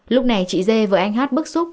lúc này chị d với anh hát bức xúc